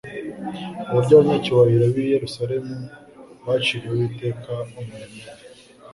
Uburyo abanyacyubahiro b’i Yerusalemu baciriyeho iteka umurimo we